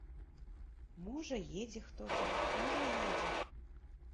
Можа, едзе хто там, можа, едзе.